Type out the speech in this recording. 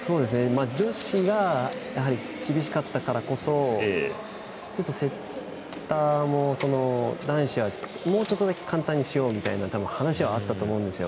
女子がやはり厳しかったからこそちょっとセッターも男子は、もうちょっとだけ簡単にしようみたいな話はあったと思うんですよ。